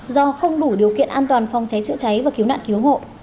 do không đủ điều kiện an toàn phòng cháy chữa cháy và cứu nạn cứu hộ